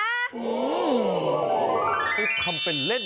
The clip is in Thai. ทำเป็นเล่น